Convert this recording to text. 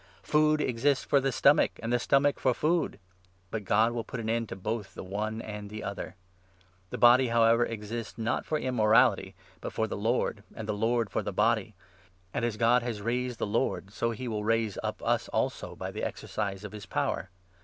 Food exists for the stomach, and 13 the stomach for food ; but God will put an end to both the one and the other. The body, however, exists, not for im morality, but for the Lord, and the Lord for the body ; and, as 14 God has raised the Lord, so he will raise up us also by the exercise of his power.